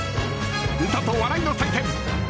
歌と笑いの祭典